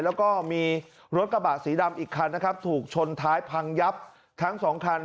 แล้วก็มีรถกระบะสีดำอีกคันนะครับถูกชนท้ายพังยับทั้งสองคัน